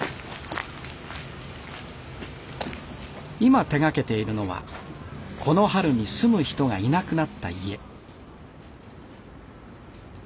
今手がけているのはこの春に住む人がいなくなった家。